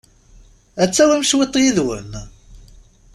Ad tawim cwiṭ yid-wen?